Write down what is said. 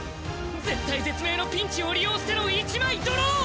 絶体絶命のピンチを利用しての１枚ドロー！